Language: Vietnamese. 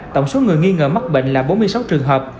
tổng số người nghi ngờ mắc bệnh là bốn mươi sáu trường hợp